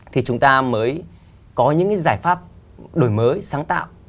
thì chúng ta mới có những cái giải pháp đổi mới sáng tạo